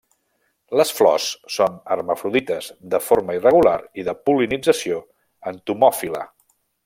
Les flors són hermafrodites de forma irregular i de pol·linització entomòfila.